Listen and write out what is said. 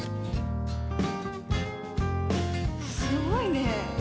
すごいね。